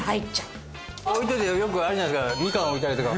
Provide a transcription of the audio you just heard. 置いといてよくあるじゃないですかみかん置いたりとか。